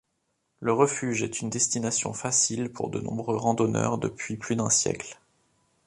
Le refuge est une destination facile pour de nombreux randonneurs depuis plus d'un siècle.